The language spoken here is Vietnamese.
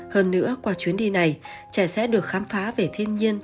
hơn nữa qua chuyến đi này trẻ sẽ được khám phá về thiên nhiên